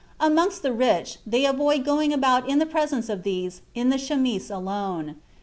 Amongst the rich they avoid going about in the presence of these in the chemise alone.